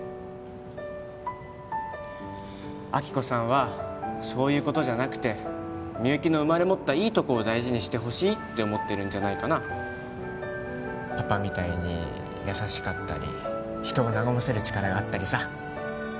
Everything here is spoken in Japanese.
亜希子さんはそういうことじゃなくてみゆきの生まれ持ったいいとこを大事にしてほしいって思ってるんじゃないかなパパみたいに優しかったり人を和ませる力があったりさ